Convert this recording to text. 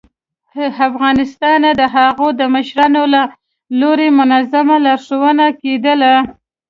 ه افغانستانه د هغو د مشرانو له لوري منظمه لارښوونه کېدله